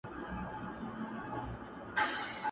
خو ښکاره ژوند بيا عادي روان ښکاري له لرې